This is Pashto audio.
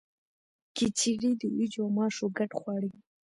کچړي د وریجو او ماشو ګډ خواړه دي.